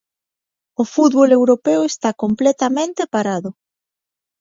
O fútbol europeo está completamente parado.